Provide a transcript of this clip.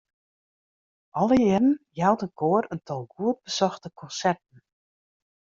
Alle jierren jout it koar in tal goed besochte konserten.